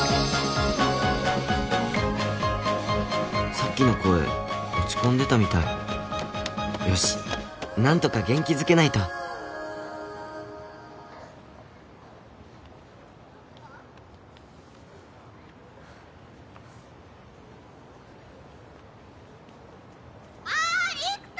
さっきの声落ち込んでたみたいよし何とか元気づけないとおい偉人！